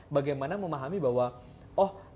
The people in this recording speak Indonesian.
bagaimana memahami bahwa oh